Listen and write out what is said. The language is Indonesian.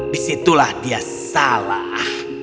disitulah dia salah